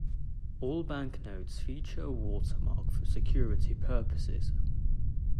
All banknotes feature a watermark for security purposes.